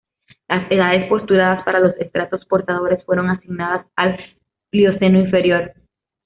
Las edades postuladas para los estratos portadores fueron asignadas al Plioceno inferior.